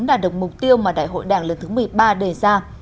đã được mục tiêu mà đại hội đảng lần thứ một mươi ba đề ra